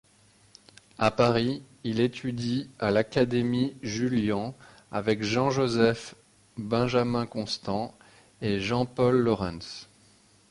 À Paris, il étudie à l'Académie Julian avec Jean-Joseph Benjamin-Constant et Jean-Paul Laurens.